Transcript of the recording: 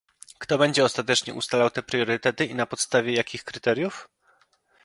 Kto będzie ostatecznie ustalał te priorytety i na podstawie jakich kryteriów?